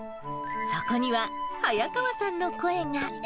そこには、早川さんの声が。